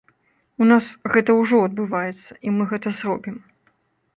У нас гэта ўжо адбываецца, і мы гэта зробім.